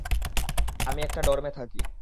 আমি একটা ডর্মে থাকি।